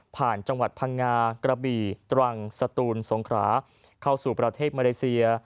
จังหวัดพังงากระบี่ตรังสตูนสงขราเข้าสู่ประเทศมาเลเซีย